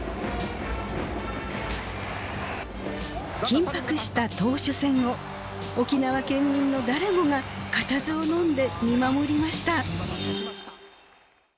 緊迫した投手戦を沖縄県民の誰もが固唾をのんで見守りました。